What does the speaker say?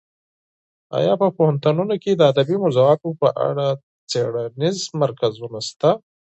ایا په پوهنتونونو کې د ادبي موضوعاتو په اړه څېړنیز مرکزونه شته؟